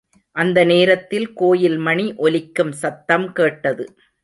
அந்த நேரத்தில் கோயில் மணி ஒலிக்கும் சத்தம் கேட்டது.